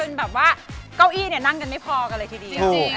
เป็นแบบว่าเก้าอี้น่างกันไม่พอเลยทีเดียว